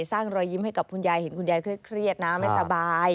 รอยยิ้มให้กับคุณยายเห็นคุณยายเครียดนะไม่สบาย